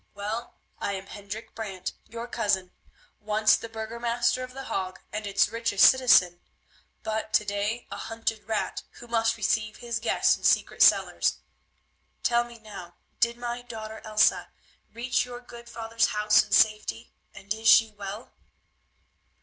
"Well, I am Hendrik Brant, your cousin, once the burgomaster of The Hague and its richest citizen, but to day a hunted rat who must receive his guests in secret cellars. Tell me now, did my daughter, Elsa, reach your good father's house in safety, and is she well?"